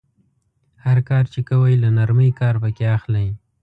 هر کار چې کوئ له نرمۍ کار پکې اخلئ.